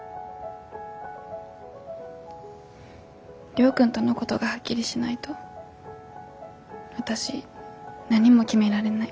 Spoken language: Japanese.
亮君とのごどがはっきりしないと私何も決められない。